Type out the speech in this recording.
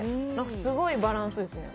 すごいバランスですね。